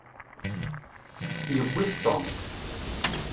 Yewwi-t Tom.